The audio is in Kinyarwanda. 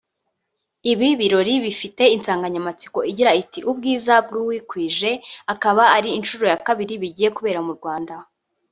Ibi birori bifite insanganyamatsiko igira iti 'Ubwiza bw'uwikwije' akaba ari inshuro ya kabiri bigiye kubera mu Rwanda